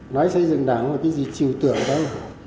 nói xây dựng đảng là cái gì chiều tượng đấy